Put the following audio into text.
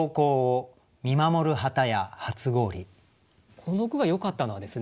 この句がよかったのはですね